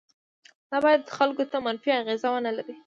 دا باید خلکو ته منفي اغیز ونه لري.